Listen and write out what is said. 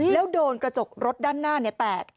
แล้วโดนกระจกรถด้านหน้าแตก